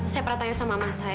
saya pernah tanya sama mas saya